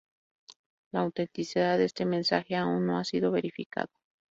La autenticidad de este mensaje aún no ha sido verificado.